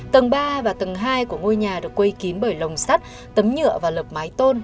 tầng ba và tầng hai của ngôi nhà được quây kín bởi lồng sắt tấm nhựa và lợp mái tôn